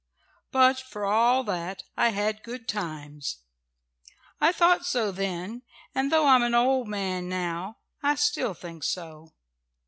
"But, for all that, I had good times. I thought so then and, though I'm an old man now, I still think so.